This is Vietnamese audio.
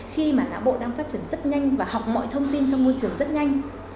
khi mà não bộ đang phát triển rất nhanh và học mọi thông tin trong môi trường rất nhanh